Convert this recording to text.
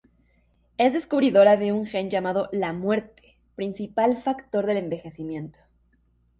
Es descubridora de un gen llamado "la muerte" principal factor del envejecimiento.